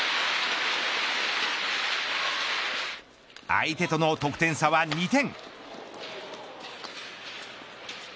相手との得点差は２点。